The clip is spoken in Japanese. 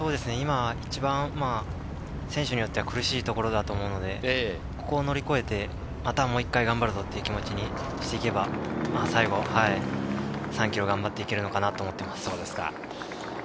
今は一番選手によっては厳しいところだと思うので、ここを乗り越えて、またもう一回頑張るぞっていう気持ちにしていけば最後３ｋｍを頑張っていけるのかなと思っています。